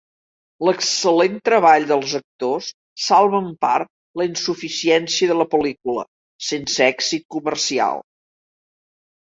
L’excel·lent treball dels actors salva en part la insuficiència de la pel·lícula, sense èxit comercial.